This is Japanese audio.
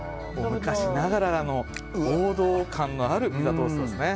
昔ながらの王道感のあるピザトーストですね。